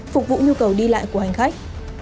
phục vụ nhu cầu đi lại của hành khách